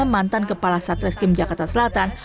mantan kepala satreskim jakarta selatan